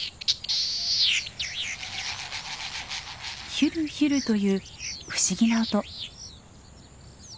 ヒュルヒュルという不思議な音。